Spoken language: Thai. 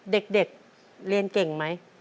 เด็กเรียนเก่งไหม